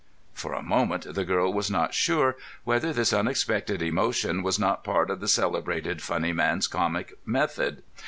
For a moment the girl was not sure whether this unexpected emotion was not part of the celebrated funny man's comic method.